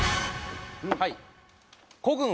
はい。